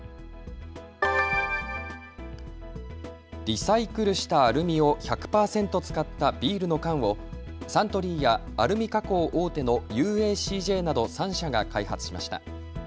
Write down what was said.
リサイクルしたアルミを１００％使ったビールの缶をサントリーやアルミ加工大手のＵＡＣＪなど３社が開発しました。